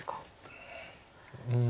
うん。